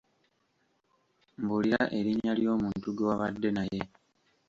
Mbulira erinya ly'omuntu gwe wabadde naye.